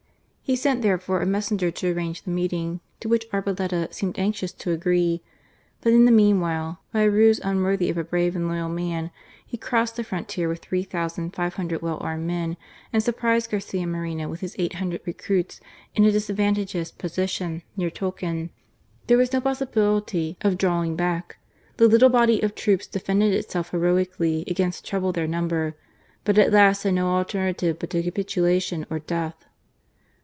He sent, therefore, a messenger to arrange the meeting, to which Arboleda seemed anxious to agree, but, in the meanwhile, by a ruse unworthy of a brave and loyal man, he crossed the frontier with three thousand five hundred well armed men and surprised )S8 GARCIA MORENO. Garcia Moreno with his eight hundred recruits in disadvantageous position near Tulcan. There waai no possibility of drawing back. The little body of' troops defended itself heroically against treble their number, but at last had no alternative but capitula tion or death.